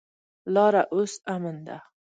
لاره اوس امن ده.